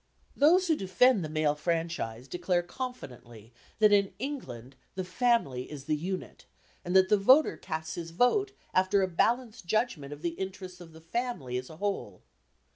Those who defend the male franchise declare confidently that in England "the family is the unit," and that the voter casts his vote after a balanced judgment of the interests of the family as a whole.